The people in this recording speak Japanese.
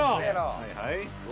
はいはい。